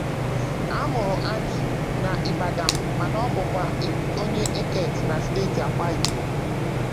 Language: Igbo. Amụrụ Annie na Ibadan mana ọ bụ onye Eket na steeti Akwa Ibom.